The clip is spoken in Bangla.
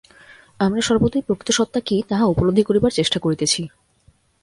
আমরা সর্বদাই প্রকৃত সত্তা কি, তাহা উপলব্ধি করিবার চেষ্টা করিতেছি।